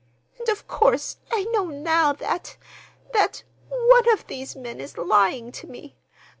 And, of course, I know now that—that one of those men is lying to me.